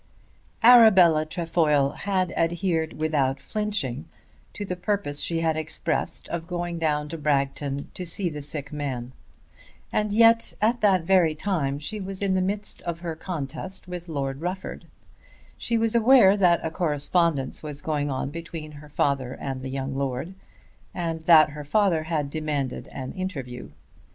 Arabella Trefoil had adhered without flinching to the purpose she had expressed of going down to Bragton to see the sick man. And yet at that very time she was in the midst of her contest with Lord Rufford. She was aware that a correspondence was going on between her father and the young lord and that her father had demanded an interview.